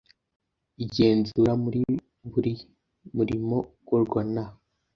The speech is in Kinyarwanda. igenzura muri buri murimo ukorwa na